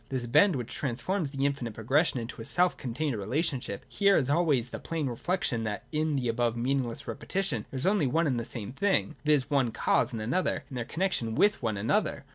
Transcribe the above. This bend, which transforms the in finite progression into a self contained relationship, is here as always the plain reflection that in the above meaningless repetition there is only one and the same thing, viz. one cause and another, and their connexion with one another.